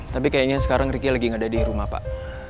tapi kayaknya sekarang riki lagi nggak ada di rumah pak